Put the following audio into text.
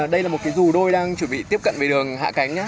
đây là một cái dù đôi đang chuẩn bị tiếp cận về đường hạ cánh